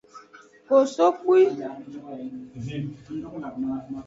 Kosokpwi.